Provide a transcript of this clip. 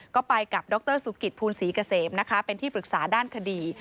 ก็ไปกับดรสุกิตภูลศรีเกษมนะคะเป็นที่ปรึกษาด้านคดี